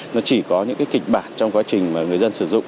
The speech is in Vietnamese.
nó chỉ có những cái kịch bản trong quá trình mà người dân sử dụng